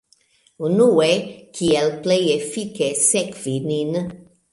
Unue, kiel plej efike sekvi nin